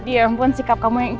ya ampun sikap kamu yang ikut aku